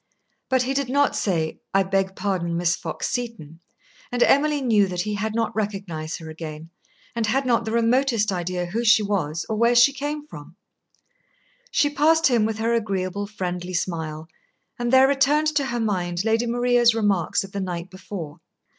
But he did not say, "I beg pardon, Miss Fox Seton," and Emily knew that he had not recognised her again, and had not the remotest idea who she was or where she came from. She passed him with her agreeable, friendly smile, and there returned to her mind Lady Maria's remarks of the night before.